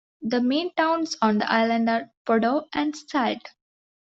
The main towns on the island are Podor and Salde.